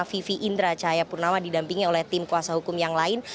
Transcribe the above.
vivi indra cahayapurnama didampingi oleh tim kuasa hukum yang lain